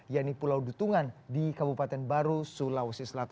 yang di pulau dutungan di kabupaten baru sulawesi selatan